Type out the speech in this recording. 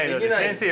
先生！